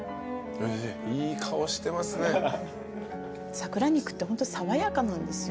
桜肉ってホント爽やかなんですよね。